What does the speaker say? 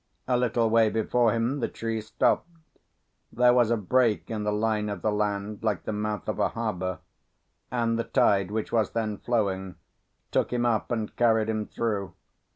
A little way before him the trees stopped; there was a break in the line of the land like the mouth of a harbour; and the tide, which was then flowing, took him up and carried him through.